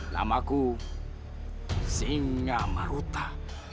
namaku singa maruta